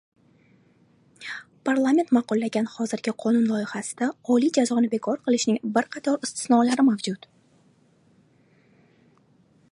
Parlament ma’qullagan hozirgi qonun loyihasida oliy jazoni bekor qilishning bir qator istisnolari mavjud